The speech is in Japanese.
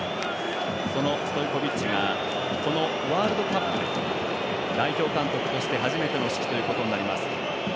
そのストイコビッチがこのワールドカップで代表監督として初めての指揮となります。